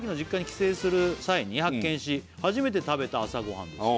「帰省する際に発見し初めて食べた朝ごはんです」